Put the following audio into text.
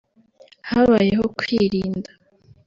« Habayeho kwirinda